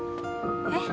えっ？